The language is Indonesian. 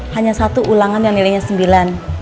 hanya satu ulangan yang nilainya sembilan